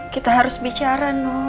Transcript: kita harus bicara noh